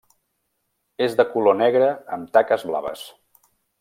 És de color negre amb taques blaves.